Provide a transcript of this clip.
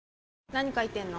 何書いてんの？